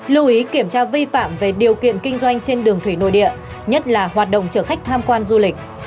lưu ý kiểm tra vi phạm về điều kiện kinh doanh trên đường thủy nội địa nhất là hoạt động chở khách tham quan du lịch